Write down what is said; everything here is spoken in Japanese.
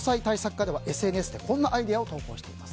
課ではＳＮＳでこんなアイデアを投稿しています。